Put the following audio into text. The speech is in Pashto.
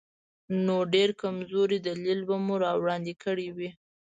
نو ډېر کمزوری دلیل به مو وړاندې کړی وي.